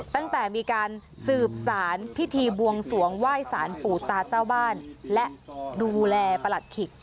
ตั้งแต่มีการสืบสารพิธีบวงสวงไหว้สารปู่ตาเจ้าบ้านและดูแลประหลัดขิก